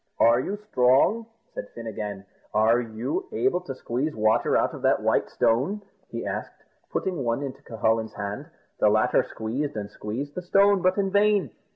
"Are you strong?" said Fin again; "are you able to squeeze water out of that white stone?" he asked, putting one into Cucullin's hand. The latter squeezed and squeezed the stone, but in vain.